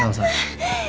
gak usah gak usah